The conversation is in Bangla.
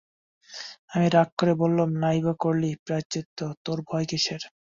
আমি রাগ করে বললুম, নাই বা করলি প্রায়শ্চিত্ত, তোর ভয় কিসের?